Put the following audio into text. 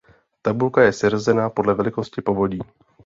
Tabulka je seřazena podle velikosti povodí.